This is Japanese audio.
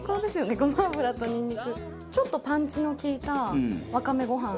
ちょっとパンチの利いたワカメご飯。